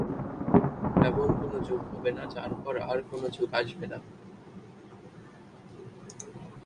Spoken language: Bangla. এমন কোন যুগ হবে না যার পর আর কোন যুগ আসবে না।